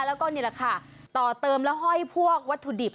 แล้วก็นี่แหละค่ะต่อเติมแล้วห้อยพวกวัตถุดิบ